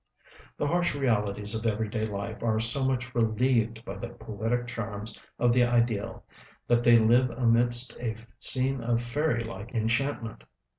The harsh realities of every day life are so much relieved by the poetic charms of the ideal, that they live amidst a scene of fairy like enchantment.